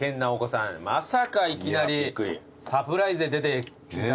まさかいきなりサプライズで出ていただけるとは。